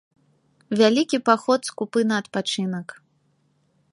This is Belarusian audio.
Вялікі паход скупы на адпачынак.